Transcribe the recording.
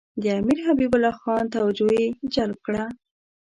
د امیر حبیب الله خان توجه یې جلب کړه.